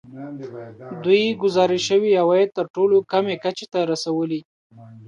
دوی ګزارش شوي عواید تر ټولو کمې کچې ته رسولي